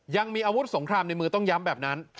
ยังมีอาวุธสงครามในมือต้องย้ำแบบนั้น